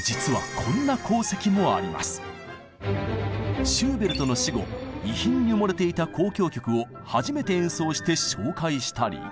実はシューベルトの死後遺品に埋もれていた交響曲を初めて演奏して紹介したり。